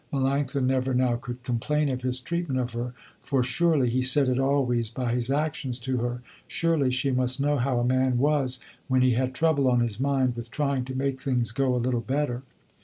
Melanctha never now could complain of his treatment of her, for surely, he said it always by his actions to her, surely she must know how a man was when he had trouble on his mind with trying to make things go a little better.